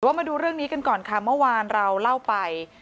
มาดูเรื่องนี้กันก่อนค่ะเมื่อวานเราเล่าไป